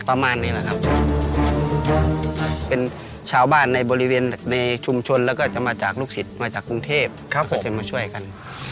ประมาณนี้แหละครับเป็นชาวบ้านในบริเวณในชุมชนแล้วก็จะมาจากลูกศิษย์มาจากกรุงเทพก็จะมาช่วยกัน